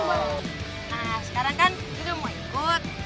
nah sekarang kan kita mau ikut